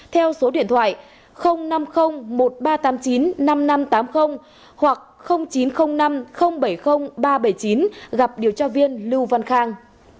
theo số điện thoại năm mươi một nghìn ba trăm tám mươi chín năm nghìn năm trăm tám mươi hoặc chín trăm linh năm bảy mươi ba trăm bảy mươi chín gặp điều tra viên lưu văn khang